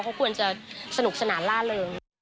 เขาควรจะสนุกสนานล่าเริง